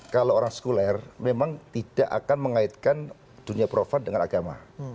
kalau orang sekuler memang tidak akan mengaitkan dunia profan dengan agama